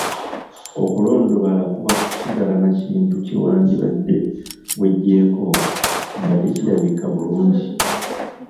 Okulondobala kuba kusigala na kintu kye wandibadde weggyako nga tekirabika bulungi.